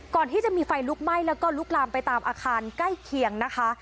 ก่อนที่จะมีไฟลุกไหม้แล้วก็ลุกลามไปตามอาคารใกล้เคียงนะคะ